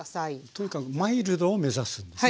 というかマイルドを目指すんですね。